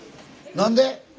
何で？